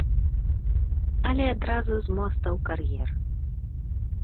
Але адразу з моста ў кар'ер.